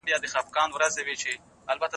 اوس هغه شیخان په ښکلیو کي لوبیږي